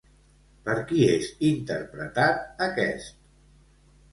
Per qui és interpretat aquest?